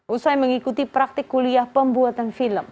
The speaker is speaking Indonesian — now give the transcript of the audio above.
usai mengikuti praktik kuliah pembuatan film